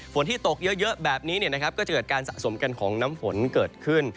ฝนที่ตกเยอะแบบนี้เนี่ยนะครับก็จะเกิดการสะสมกันของน้ำฝนเกิดขึ้น